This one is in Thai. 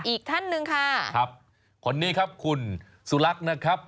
อีกท่านหนึ่งค่ะครับคนนี้ครับคุณสุลักษณ์นะครับ